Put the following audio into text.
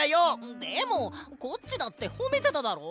でもコッチだってほめてただろ！